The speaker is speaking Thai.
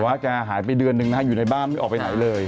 ว่าแกหายไปเดือนหนึ่งนะฮะอยู่ในบ้านไม่ออกไปไหนเลย